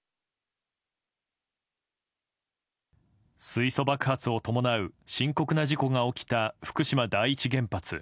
水素爆発を伴う深刻な事故が起きた福島第一原発。